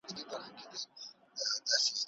نور مي په حالاتو باور نه راځي بوډی سومه